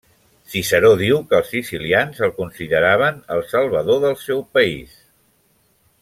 Ciceró diu que els sicilians el consideraven el salvador del seu país.